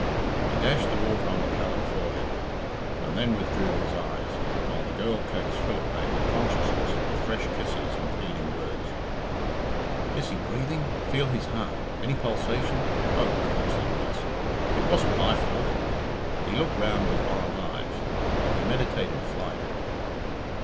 He dashed the water on the pallid forehead, and then withdrew his eyes, while the girl coaxed Philip back to consciousness with fresh kisses and pleading words. "Is he breathing? Feel his heart. Any pulsation? Oh, God!" said Ross, "it wasn't my fault." He looked round with wild eyes; he meditated flight.